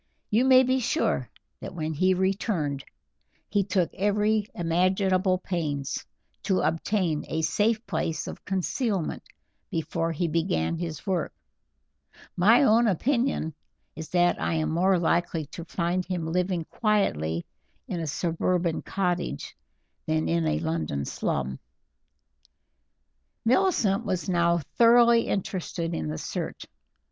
You may be sure that when he returned he took every imaginable pains to obtain a safe place of concealment before he began his work; my own opinion is that I am more likely to find him living quietly in a suburban cottage than in a London slum." Millicent was now thoroughly interested in the search.